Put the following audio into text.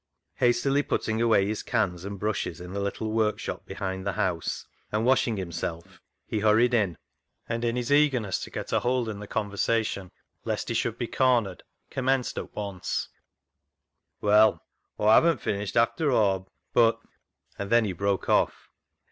Hastily putting away his cans and brushes in the little workshop behind the house, and washing himself, he hurried in, and in his eagerness to get a lead in the conversation lest he should be cornered, commenced at once —" Well, Aw hav'n't finished after aw, but "— and then he broke off.